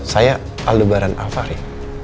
saya aldebaran al fahri